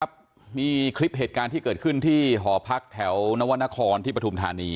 ครับมีคลิปเหตุการณ์ที่เกิดขึ้นที่หอพักแถวนวรรณครที่ปฐุมธานี